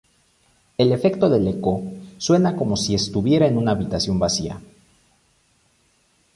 El efecto del eco, suena como si estuviera en una habitación vacía.